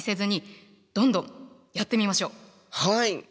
はい。